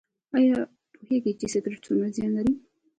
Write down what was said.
ایا پوهیږئ چې سګرټ څومره زیان لري؟